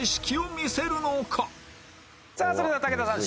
さあそれでは武田さん